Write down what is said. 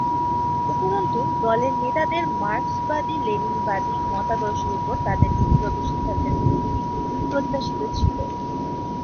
উপরন্তু, দলের নেতাদের মার্কসবাদী-লেনিনবাদী মতাদর্শের উপর তাদের নীতিগত সিদ্ধান্তের ভিত্তি প্রত্যাশিত ছিল।